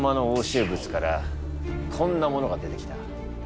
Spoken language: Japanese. しゅう物からこんなものが出てきた。